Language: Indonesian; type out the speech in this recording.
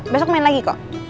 besok main lagi kok